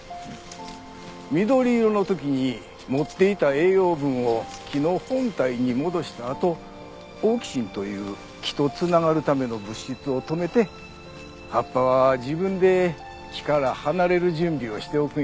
緑色の時に持っていた栄養分を木の本体に戻したあとオーキシンという木と繋がるための物質を止めて葉っぱは自分で木から離れる準備をしておくんや。